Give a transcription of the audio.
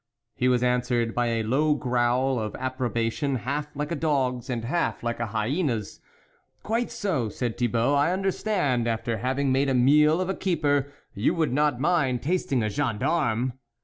He was answered by a low growl of approbation, half like a dog's, and half like a hyena's. " Quite so," said Thibault, " I under stand; after having made a meal of a keeper, you would not mind tasting a gendarme."